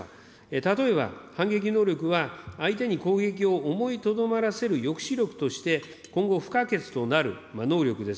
例えば、反撃能力は、相手に攻撃を思いとどまらせる抑止力として、今後、不可欠となる能力です。